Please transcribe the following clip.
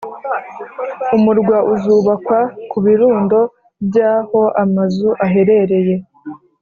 umurwa uzubakwa ku birundo byaho amazu aherereye